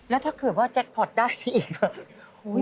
แล้วถ้าเกิดว่าแจ็คพอร์ตได้อีก